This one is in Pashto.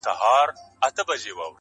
بس همدومره مي زده کړي له استاده-